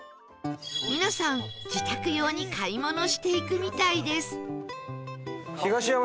皆さん自宅用に買い物していくみたいです